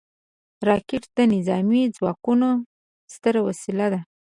راکټ د نظامي ځواکونو ستره وسله ده